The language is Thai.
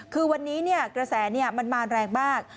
คือวันนี้กระแสมันมาแรงมาก